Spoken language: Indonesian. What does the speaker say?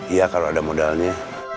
iya kalau ada modalnya